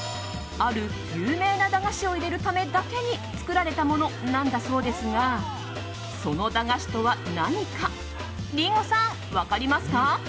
ある有名な駄菓子を入れるためだけに作られたものなんだそうですがその駄菓子とは何かリンゴさん、分かりますか？